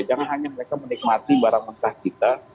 jangan hanya mereka menikmati barang mentah kita